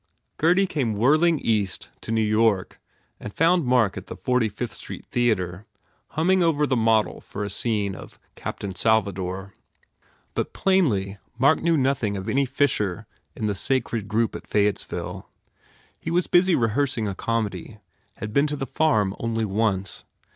Gurdy came whirling east to New York and found Mark at the 45th Street Theatre, humming over the model for a scene of "Captain Salva dor." But plainly Mark knew nothing of any fissure in the sacred group at Fayettesville. He was busy rehearsing a comedy, had been to the farm only once.